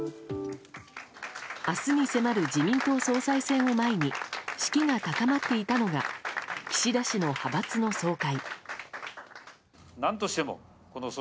明日に迫る自民党総裁選を前に士気が高まっていたのが岸田氏の派閥の総会。